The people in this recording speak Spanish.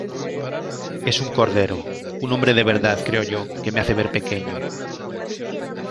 Es un cordero, un hombre de verdad, creo yo, que me hace ver pequeño".